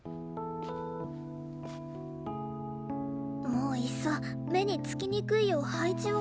もういっそ目につきにくいよう配置を換えて。